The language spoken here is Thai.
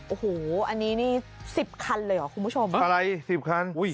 โอ้โหอันนี้นี่สิบคันเลยเหรอคุณผู้ชมอะไรสิบคันอุ้ย